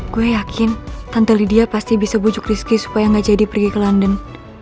gue yakin tante lidia pasti bisa bujuk rizky supaya gak jadi pergi ke london